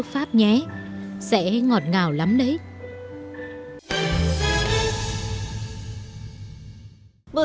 tôi thích mọi món ăn thật sự